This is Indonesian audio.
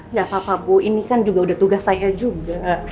nggak apa apa bu ini kan juga udah tugas saya juga